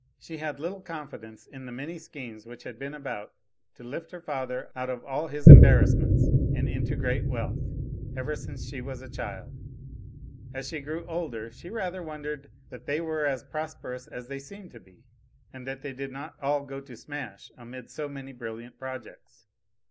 She had little confidence in the many schemes which had been about to lift her father out of all his embarrassments and into great wealth, ever since she was a child; as she grew older, she rather wondered that they were as prosperous as they seemed to be, and that they did not all go to smash amid so many brilliant projects.